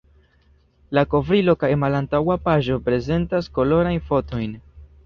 La kovrilo kaj malantaŭa paĝo prezentas kolorajn fotojn.